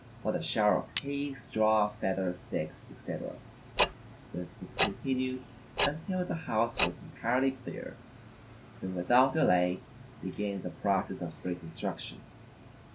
what a shower of hay, straw, feathers, sticks, etc. This was continued until the house was entirely cleared. Then, without delay, began the process of reconstruction.